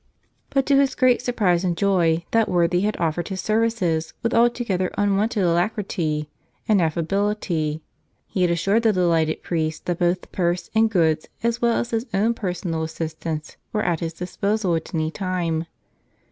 But to his great surprise and joy that worthy had offered his services with altogether unwonted alacrity and affability. He had assured the delighted priest that both purse and goods as well as his own personal RO The Power of Prayer assistance were at his disposal at any time.